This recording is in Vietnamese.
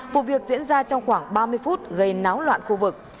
vụ việc diễn ra trong khoảng ba mươi phút gây náo loạn khu vực